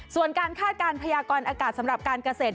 ส่วนการคาดการณพยากรอากาศสำหรับการเกษตร